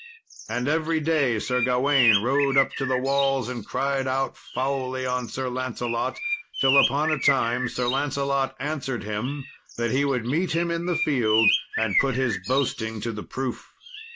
And every day Sir Gawain rode up to the walls, and cried out foully on Sir Lancelot, till, upon a time, Sir Lancelot answered him that he would meet him in the field and put his boasting to the proof.